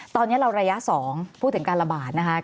ตอนนี้เราระยะ๒พูดถึงการระบาดนะคะ